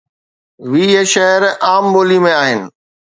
ويهه شعر عام ٻوليءَ ۾ آهن